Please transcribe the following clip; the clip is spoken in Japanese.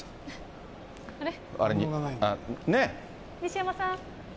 西山さん。